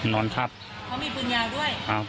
นอนทับเพราะมีปืนยาวด้วย